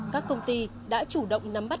các công ty đã chủ động nắm bắt